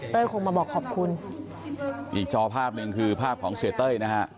คงมาบอกขอบคุณอีกจอภาพหนึ่งคือภาพของเสียเต้ยนะฮะ